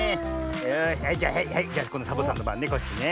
よしはいじゃあはいはいこんどサボさんのばんねコッシーね。